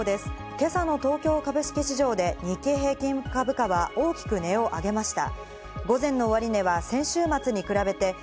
今朝の東京株式市場で日経平均株価は大きく値を上げました。